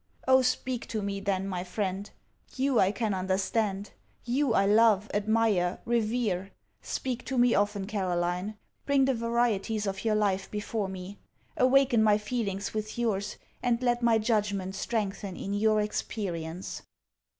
Oh, speak to me then, my friend. You I can understand. You I love, admire, revere. Speak to me often, Caroline. Bring the varieties of your life before me. Awaken my feelings with your's, and let my judgment strengthen in your experience.